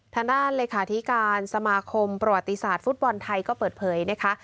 ทางด้านเลขาธิการสมาคมประวัติศาสตร์ฟุตบอลไทยก็เปิดเผยนะคะ